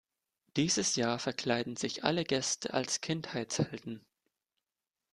Dieses Jahr verkleiden sich alle Gäste als Kindheitshelden.